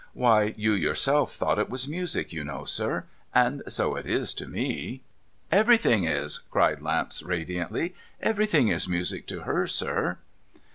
'Why, you yourself thought it was music, you know, sir. And so it is to me.' 'Everything is!' cried Lamps radiantly. 'Everything is music to her, sir.'